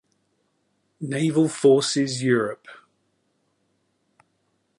Naval Forces Europe.